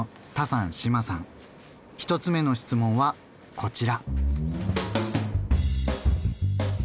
１つ目の質問はこちら。